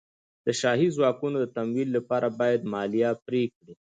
د شاهي ځواکونو د تمویل لپاره باید مالیه پرې کړي.